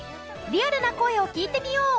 リアルな声を聞いてみよう。